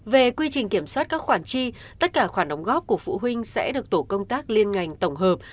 về quy trình kiểm soát các khoản chi tất cả khoản đóng góp của phụ huynh sẽ được tổ công tác liên ngành tổng hợp